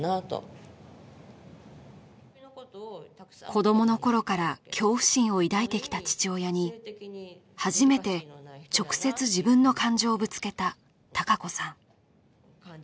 子どもの頃から恐怖心を抱いてきた父親に初めて直接自分の感情をぶつけたたかこさん